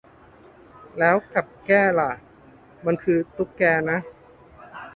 แล้วกับแก้ล่ะ มันคือตุ๊กแกนะ